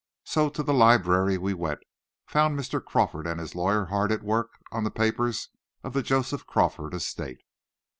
So to the library we went, and found Mr. Crawford and his lawyer hard at work on the papers of the Joseph Crawford estate.